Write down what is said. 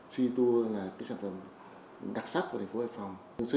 sản phẩm này có sự kết hợp giữa công tư